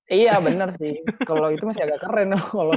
iya bener sih kalau gitu masih agak keren loh